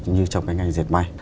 như trong cái ngành diệt may